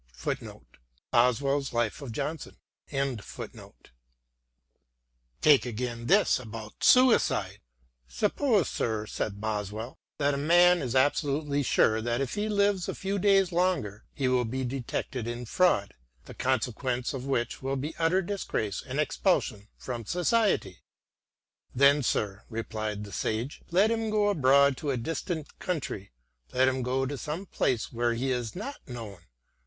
* Take again this about suicide :" Suppose, sir," said Boswell, " that a man is absolutely svire that if he lives a few days longer he will be detected in fraud, the consequence of which will be utter disgrace and expulsion from society." " Then, sir," replied the sage, " let him go abroad to a distant country, let him go to some place where he is not known.